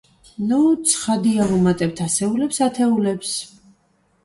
ნუ, ცხადია ვუმატებთ ასეულებს ათეულებს.